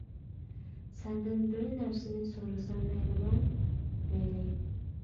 سەندىن بىر نەرسىنى سورىسام مەيلىمۇ؟ -مەيلى.